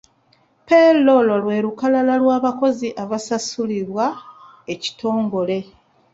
Payroll lwe lukalala lw'abakozi abasasulibwa ekitongole.